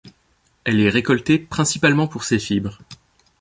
Elle est récoltée principalement pour ses fibres.